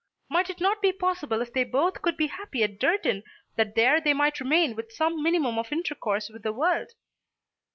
Might it not be possible if they both could be happy at Durton that there they might remain with some minimum of intercourse with the world?